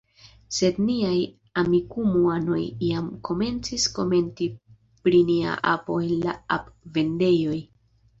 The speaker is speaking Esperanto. Sed niaj Amikumu-anoj jam komencis komenti pri nia apo en la ap-vendejoj.